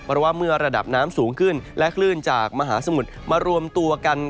เพราะว่าเมื่อระดับน้ำสูงขึ้นและคลื่นจากมหาสมุทรมารวมตัวกัน